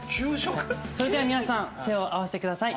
それでは皆さん手を合わせてください。